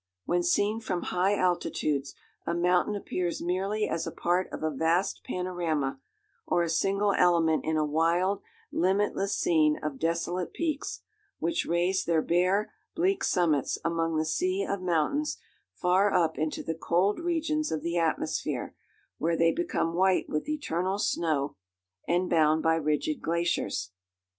When seen from high altitudes, a mountain appears merely as a part of a vast panorama or a single element in a wild, limitless scene of desolate peaks, which raise their bare, bleak summits among the sea of mountains far up into the cold regions of the atmosphere, where they become white with eternal snow, and bound by rigid glaciers.